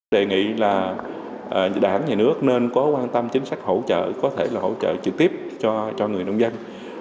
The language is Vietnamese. đề nghị là đảng nhà nước nên có quan tâm chính sách hỗ trợ có thể là hỗ trợ trực tiếp cho người nông dân